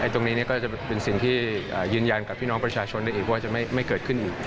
ตรงนี้ก็จะเป็นสิ่งที่ยืนยันกับพี่น้องประชาชนได้อีกว่าจะไม่เกิดขึ้นอีก